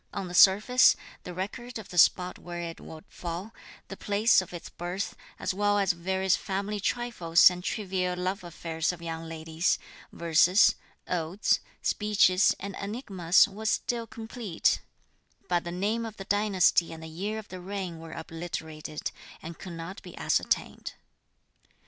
On the surface, the record of the spot where it would fall, the place of its birth, as well as various family trifles and trivial love affairs of young ladies, verses, odes, speeches and enigmas was still complete; but the name of the dynasty and the year of the reign were obliterated, and could not be ascertained.